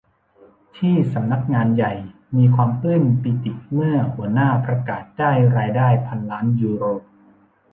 ที่สำนักงานใหญ่มีความปลื้มปีติเมื่อหัวหน้าประกาศได้รายได้พันล้านยูโร